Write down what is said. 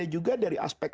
atau bagaimana mungkin